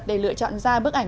để lựa chọn ra bức ảnh